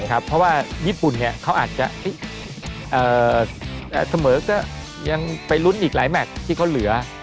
เพราะว่าญี่ปุ่นเขาอาจจะเสมอก็ยังไปลุ้นอีกหลายแมทที่เขาเหลือ